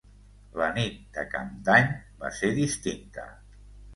La nit de cap d'any va ser distinta.